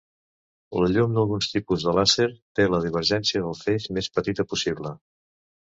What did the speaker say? La llum d'alguns tipus de làser té la divergència del feix més petita possible.